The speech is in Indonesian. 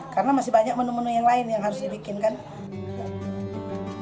karena masih banyak menu menu yang lain yang harus dibikin kan